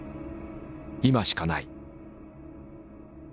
今しかない。